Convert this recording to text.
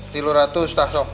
tiga ratus tah sob